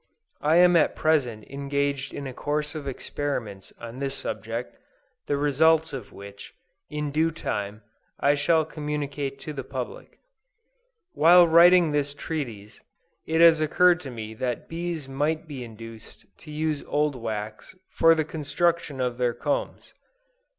I am at present engaged in a course of experiments on this subject, the results of which, in due time, I shall communicate to the public. While writing this treatise, it has occurred to me that bees might be induced to use old wax for the construction of their combs.